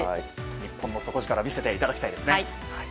日本の底力見せていただきたいですね。